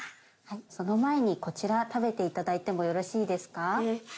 はいその前にこちら食べていただいてもよろしいですか？